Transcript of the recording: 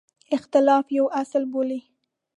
اختلاف یو اصل بولي.